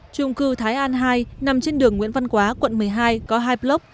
trung cư thái an hai nằm trên đường nguyễn văn quá quận một mươi hai có hai block